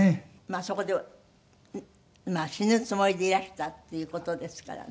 そこで死ぬつもりでいらしたっていう事ですからね。